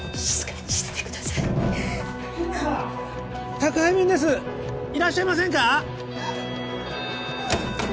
宅配便ですいらっしゃいませんか？